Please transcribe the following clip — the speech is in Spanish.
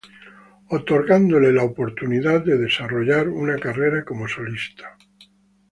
Otorgándole la oportunidad de desarrollar una carrera como solista.